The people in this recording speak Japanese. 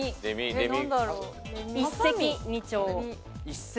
一石二鳥。